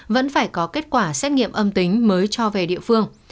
vẫn phải có kết quả xét nghiệm âm tính mới cho về địa phương